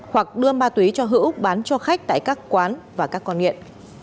hoặc đưa ma túy cho hữu bán cho khách tại các quán và các con nghiện